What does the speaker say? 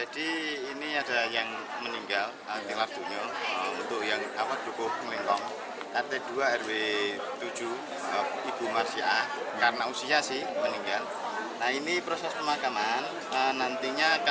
dari mana ini pak